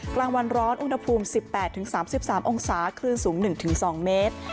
กลางวันร้อนอุณหภูมิ๑๘๓๓องศาคลื่นสูง๑๒เมตร